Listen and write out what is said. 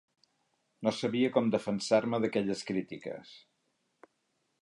No sabia com defensar-me d'aquelles crítiques.